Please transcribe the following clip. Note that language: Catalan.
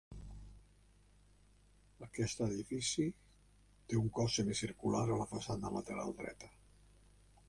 Aquest edifici té un cos semicircular a la façana lateral dreta.